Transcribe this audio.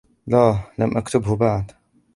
لا, لم أكتبهُ بعد.